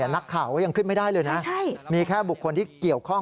นักข่าวก็ยังขึ้นไม่ได้เลยนะมีแค่บุคคลที่เกี่ยวข้อง